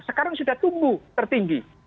sekarang sudah tumbuh tertinggi